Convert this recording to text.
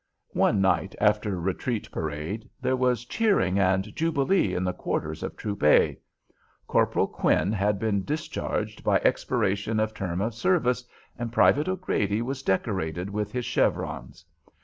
One night, after retreat parade, there was cheering and jubilee in the quarters of Troop "A." Corporal Quinn had been discharged by expiration of term of service, and Private O'Grady was decorated with his chevrons.